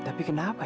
orang ini kacau